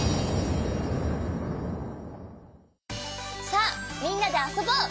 さあみんなであそぼう！